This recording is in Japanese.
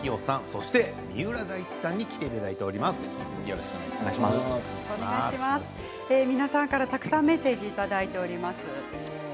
そして、三浦大知さんに皆さんからたくさんメッセージいただいております。